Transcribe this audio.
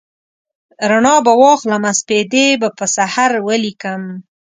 رڼا به واخلمه سپیدې به پر سحر ولیکم